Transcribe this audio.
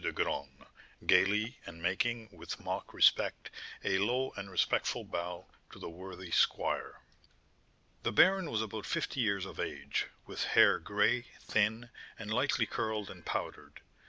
de Graün, gaily, and making, with mock respect, a low and respectful bow to the worthy squire. The baron was about fifty years of age, with hair gray, thin, and lightly curled and powdered.